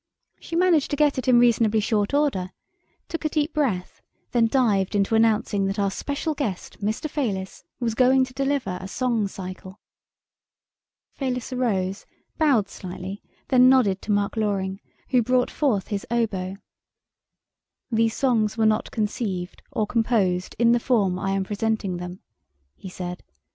She managed to get it in reasonably short order, took a deep breath, then dived into announcing that our "special guest, Mr. Fayliss" was going to deliver a song cycle. Fayliss arose, bowed slightly, then nodded to Mark Loring, who brought forth his oboe. "These songs were not conceived or composed in the form I am presenting them," he said.